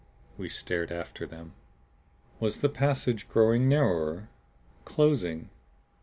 We stared after them. Was the passage growing narrower closing?